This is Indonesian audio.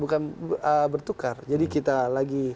bukan bertukar jadi kita lagi